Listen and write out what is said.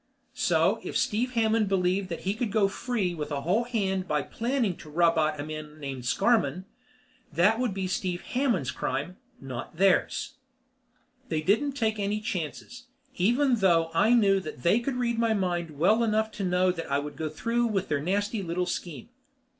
So if Steve Hammond believed that he could go free with a whole hand by planning to rub out a man named Scarmann, that would be Steve Hammond's crime, not theirs. They didn't take any chances, even though I knew that they could read my mind well enough to know that I would go through with their nasty little scheme.